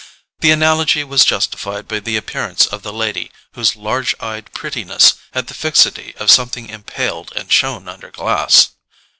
The analogy was justified by the appearance of the lady, whose large eyed prettiness had the fixity of something impaled and shown under glass.